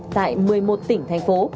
tại một mươi một tỉnh thành phố